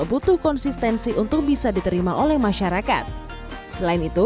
butuh konsistensi untuk bisa diterima online